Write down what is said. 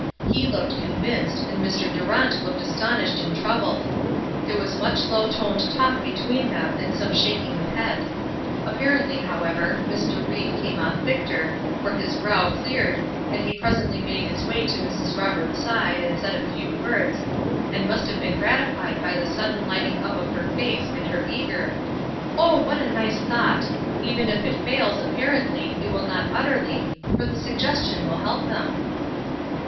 He looked convinced, and Mr. Durant looked astonished and troubled; there was much low toned talk between them and some shaking of head. Apparently, however, Mr. Ried came off victor, for his brow cleared, and he presently made his way to Mrs. Roberts' side and said a few words, and must have been gratified by the sudden lighting up of her face and her eager: "Oh, what a nice thought! Even if it fails, apparently, it will not utterly, for the suggestion will help them."